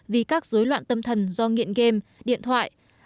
vì các dối loạn tâm thần do nghiện game điện thoại